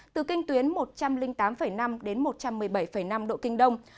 từ kinh tuyến một trăm linh tám năm đến một trăm một mươi bảy năm độ kinh đông